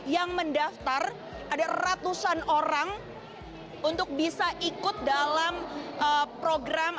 yang mendaftar ada ratusan orang untuk bisa ikut dalam program